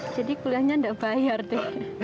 jadi kuliahnya gak bayar deh